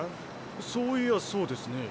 そういやそうですね。